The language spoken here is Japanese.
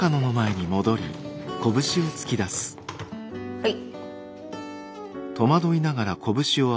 はい。